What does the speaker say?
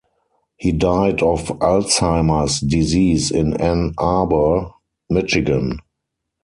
He died of Alzheimer's disease in Ann Arbor, Michigan.